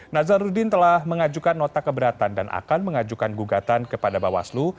nazarudin telah mengajukan nota keberatan dan akan mengajukan gugatan kepada bawaslu